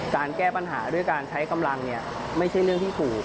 การแก้ปัญหาด้วยการใช้กำลังเนี่ยไม่ใช่เรื่องที่ถูก